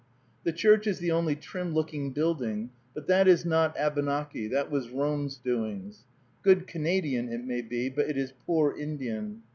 The church is the only trim looking building, but that is not Abenaki, that was Rome's doings. Good Canadian it may be, but it is poor Indian.